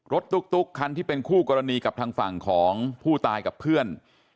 ตุ๊กคันที่เป็นคู่กรณีกับทางฝั่งของผู้ตายกับเพื่อน